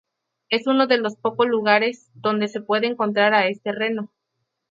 Es uno de los poco lugares donde se puede encontrar a este reno.